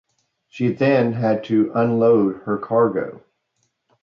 She then had to unload her cargo.